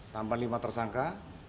tambahan lima tersangka